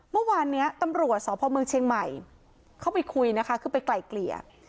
เมื่อวานนี้ตำรวจสพเมืองเชียงใหม่เข้าไปคุยนะคะคือไปไกลเกลี่ย